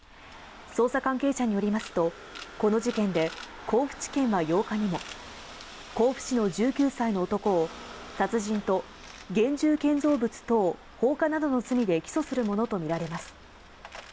捜査関係者によりますとこの事件で、甲府地検は８日にも甲府市の１９歳の男を殺人と現住建造物等放火などの罪で起訴するものとみられます。